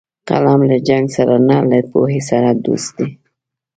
قلم له جنګ سره نه، له پوهې سره دوست دی